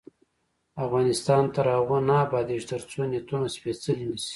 افغانستان تر هغو نه ابادیږي، ترڅو نیتونه سپیڅلي نشي.